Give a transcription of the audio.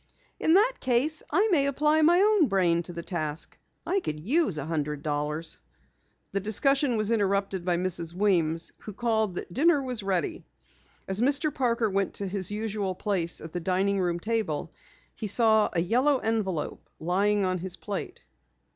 "In that case, I may apply my own brain to the task. I could use a hundred dollars." The discussion was interrupted by Mrs. Weems who called that dinner was ready. As Mr. Parker went to his usual place at the dining room table, he saw a yellow envelope lying on his plate.